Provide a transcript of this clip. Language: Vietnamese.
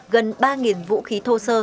gần ba vũ khí thô sơ